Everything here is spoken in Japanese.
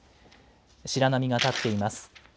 白波が立っています。